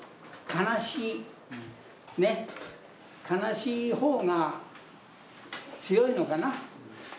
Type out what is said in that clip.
悲しい方が強いのかな。